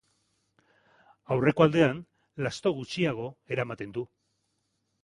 Aurreko aldean lasto gutxiago eramaten du.